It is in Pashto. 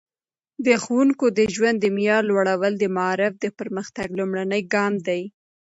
د ښوونکو د ژوند د معیار لوړول د معارف د پرمختګ لومړنی ګام دی.